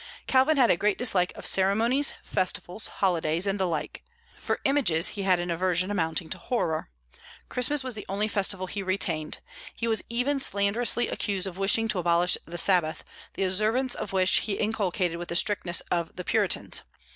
Calvin had a great dislike of ceremonies, festivals, holidays, and the like. For images he had an aversion amounting to horror. Christmas was the only festival he retained. He was even slanderously accused of wishing to abolish the Sabbath, the observance of which he inculcated with the strictness of the Puritans.